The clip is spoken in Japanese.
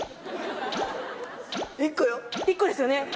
１個ですよね。